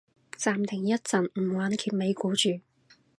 暫停一陣唔玩揭尾故住